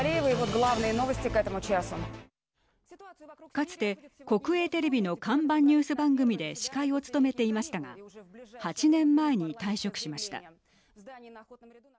かつて、国営テレビの看板ニュース番組で司会を務めていましたが８年前に退職しました。